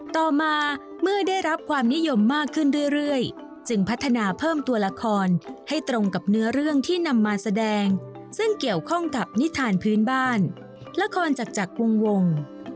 ต่อมาเมื่อได้รับความนิยมมากขึ้นเรื่อยจึงพัฒนาเพิ่มตัวละครให้ตรงกับเนื้อเรื่องที่นำมาแสดงซึ่งเกี่ยวข้องกับนิทานพื้นบ้านละครจากวง